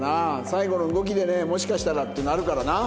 最後の動きでねもしかしたらっていうのはあるからな。